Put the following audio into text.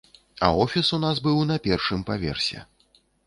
А офіс у нас быў на першым паверсе.